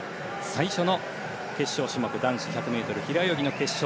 最初の決勝種目の男子１００ｍ平泳ぎの決勝。